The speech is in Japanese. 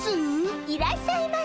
いらっしゃいませ。